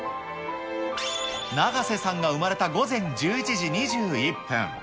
永瀬さんが生まれた午前１１時２１分。